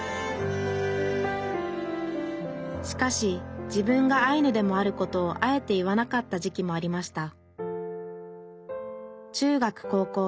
しかし自分がアイヌでもあることをあえて言わなかった時期もありました。